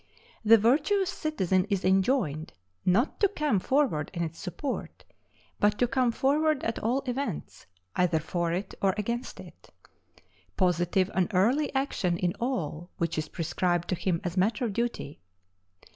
The virtuous citizen is enjoined, not to come forward in its support, but to come forward at all events, either for it or against it. Positive and early action is all which is prescribed to him as matter of duty.